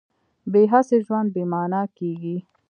بې هڅې ژوند بې مانا کېږي.